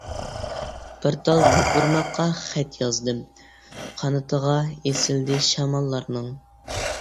بىر تال يوپۇرماققا خەت يازدىم قانىتىغا ئېسىلدى شاماللارنىڭ.